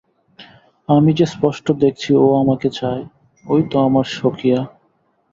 আমি যে স্পষ্ট দেখছি ও আমাকে চায়, ঐ তো আমার স্বকীয়া।